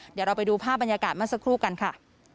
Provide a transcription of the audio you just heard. เดี๋ยวเราไปดูภาพบรรยากาศเมื่อสักครู่กันค่ะ